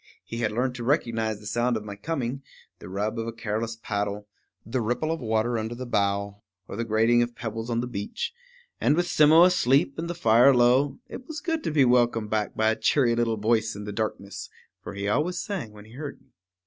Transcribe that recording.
He had learned to recognize the sounds of my coming, the rub of a careless paddle, the ripple of water under the bow, or the grating of pebbles on the beach; and with Simmo asleep, and the fire low, it was good to be welcomed back by a cheery little voice in the darkness; for he always sang when he heard me.